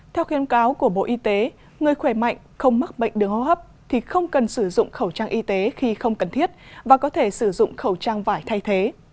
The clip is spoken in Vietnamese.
theo khuyên cáo của bộ y tế người khỏe mạnh không mắc bệnh đường hô hấp thì không cần sử dụng khẩu trang y tế khi không cần thiết và có thể sử dụng khẩu trang vải thay thế